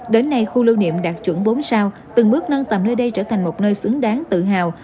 đến nay khu lưu niệm đạt chuẩn bốn sao từng bước nâng tầm nơi đây trở thành một nơi xứng đáng tự hào